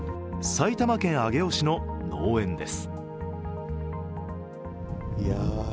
埼玉県上尾市の農園です。